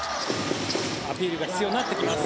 アピールが必要になってきます。